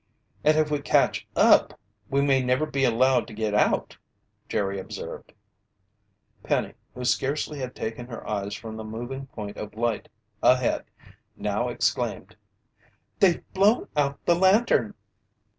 "And if we catch up, we may never be allowed to get out!" Jerry observed. Penny, who scarcely had taken her eyes from the moving point of light ahead, now exclaimed: "They've blown out the lantern!"